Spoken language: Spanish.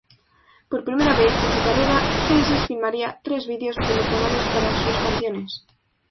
Por primera vez en su carrera, Genesis filmaría tres videos promocionales para sus canciones.